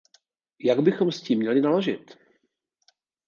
Jak bychom s tím měli naložit?